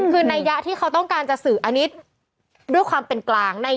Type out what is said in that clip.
คือนัยยะที่เขาต้องการจะสื่ออันนี้ด้วยความเป็นกลาง